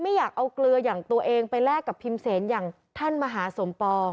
ไม่อยากเอาเกลืออย่างตัวเองไปแลกกับพิมเซนอย่างท่านมหาสมปอง